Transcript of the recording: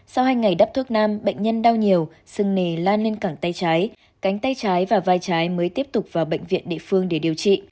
sau hai ngày đắp thuốc nam bệnh nhân đau nhiều sưng nề lan lên cẳng tay trái cánh tay trái và vai trái mới tiếp tục vào bệnh viện địa phương để điều trị